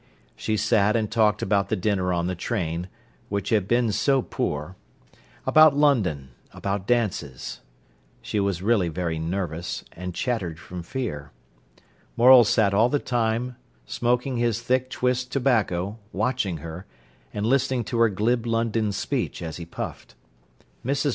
She sat and talked about the dinner on the train, which had been so poor; about London, about dances. She was really very nervous, and chattered from fear. Morel sat all the time smoking his thick twist tobacco, watching her, and listening to her glib London speech, as he puffed. Mrs.